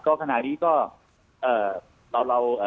ก็ขณะนี้ก็เรา